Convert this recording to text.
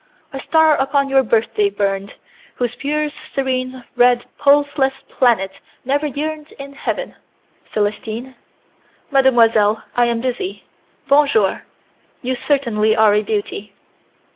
A star upon your birthday burned, whose fierce, serene, red, pulseless planet never yearned in heaven, Célestine. Mademoiselle, I am busy. Bon jour. You certainly are a beauty!"